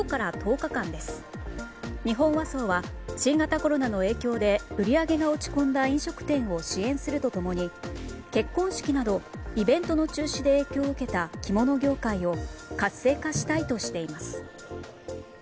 日本和装は新型コロナの影響で売り上げが落ち込んだ飲食店を支援すると共に結婚式などイベントの中止で影響を受けた着物業界を活性化したいとしています。